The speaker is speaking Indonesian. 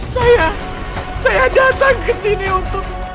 saya saya datang ke sini untuk